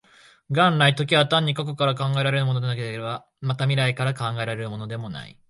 元来、時は単に過去から考えられるものでもなければ、また未来から考えられるものでもない。